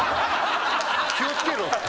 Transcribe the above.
「気を付けろ」って。